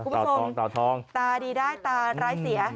อ๋อคุณผู้ชมตาดีได้ตาร้ายเสีย